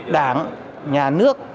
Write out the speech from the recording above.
đảng nhà nước